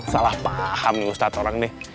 salah paham nih ustadz orang nih